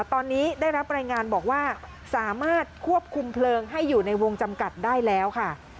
ตอนนี้ได้รับรายงานบอกว่าสามารถควบคุมเพลิงให้อยู่ในวงจำกัดได้แล้วค่ะ